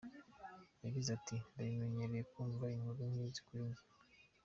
Yagize ati "Ndabimenyereye kumva inkuru nk’izi kuri njye.